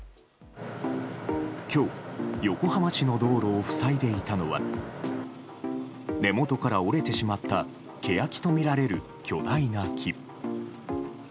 今日、横浜市の道路を塞いでいたのは根元から折れてしまったケヤキとみられる巨大な木。